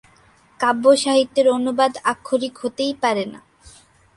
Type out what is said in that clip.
কাব্য সাহিত্যের অনুবাদ আক্ষরিক হতেই পারে না।